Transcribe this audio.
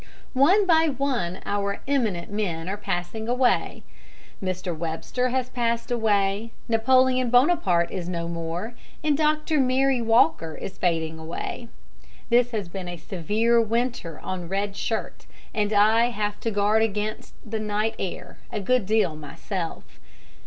One by one our eminent men are passing away. Mr. Webster has passed away; Napoleon Bonaparte is no more; and Dr. Mary Walker is fading away. This has been a severe winter on Red Shirt; and I have to guard against the night air a good deal myself.